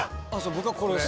僕はこれです。